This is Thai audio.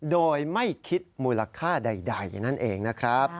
โดยไม่คิดมูลค่าใดนั่นเองนะครับ